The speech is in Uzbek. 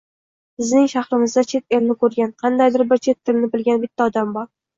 Bizning shahrimizda chet elni koʻrgan, qandaydir bir chet tilni bilgan bitta odam bor